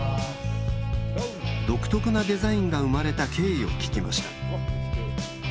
独特なデザインが生まれた経緯を聞きました。